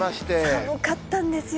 寒かったんですよ。